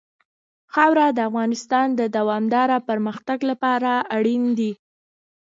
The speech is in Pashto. خاوره د افغانستان د دوامداره پرمختګ لپاره اړین دي.